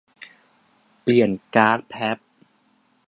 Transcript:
เปลี่ยนการ์ดแพพ